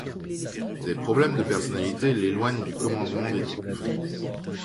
Des problèmes de personnalité l'éloignent du commandement des troupes.